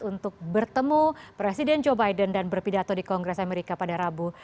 untuk bertemu presiden joe biden dan berpidato di kongres amerika pada rabu